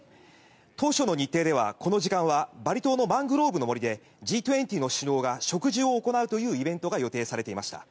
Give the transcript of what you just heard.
当初の日程ではこの時間はバリ島のマングローブの森でＧ２０の首脳が食事を行うというイベントが予定されていました。